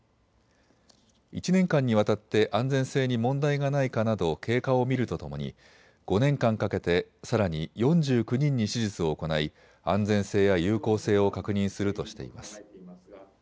１年間にわたって安全性に問題がないかなど経過を見るとともに５年間かけてさらに４９人に手術を行い安全性や有効性を確認するとしています。